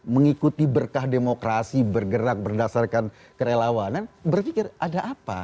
mengikuti berkah demokrasi bergerak berdasarkan kerelawanan berpikir ada apa